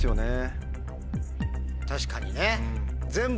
確かにね！